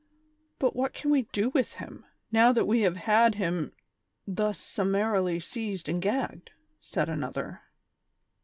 '' But what can we do with him, now that we have had him thus summarily seized and gagged ?" said another.